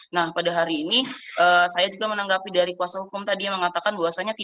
nah pada hari ini saya juga menanggapi dari kuasa hukum tadi yang mengatakan bahwasannya